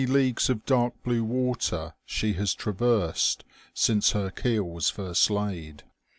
leagues of dark blue water she has traversed since her keel was first laid.